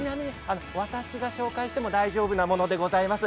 私が紹介しても大丈夫なものでございます。